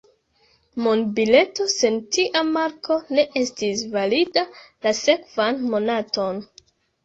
Monbileto sen tia marko ne estis valida la sekvan monaton.